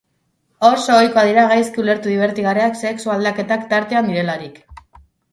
Oso ohikoak dira gaizki ulertu dibertigarriak sexu aldaketak tartean direlarik.